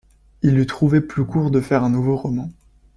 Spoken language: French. Il eût trouvé plus court de faire un nouveau roman.